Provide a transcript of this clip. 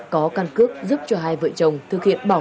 có căn cước giúp cho hai vợ chồng thực hiện bảo